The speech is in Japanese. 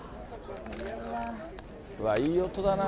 うわ、いい音だな。